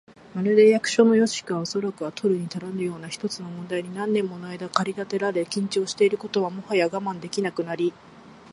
まるで、役所の組織が、おそらくは取るにたらぬような一つの問題に何年ものあいだ駆り立てられ、緊張していることにもはや我慢できなくなり、